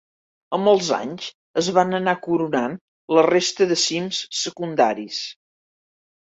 Amb els anys es van anar coronant la resta de cims secundaris.